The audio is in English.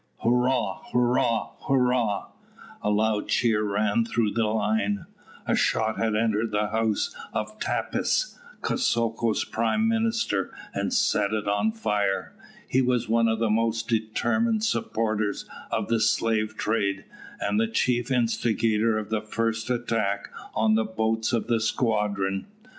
"Hurrah! hurrah! hurrah!" A loud cheer ran through the line. A shot had entered the house of Tappis, Kosoko's prime minister, and set it on fire. He was one of the most determined supporters of the slave trade, and the chief instigator of the first attack on the boats of the squadron.